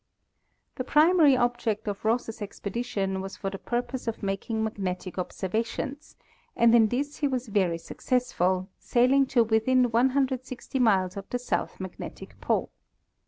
The primary object of Ross's expedition was for the purpose of making magnetic observations, and in this he was very suc cessful, sailing to within 160 miles of the south magnetic pole.